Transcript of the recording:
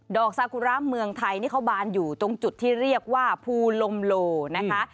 อกซากุระเมืองไทยนี่เขาบานอยู่ตรงจุดที่เรียกว่าภูลมโลนะคะ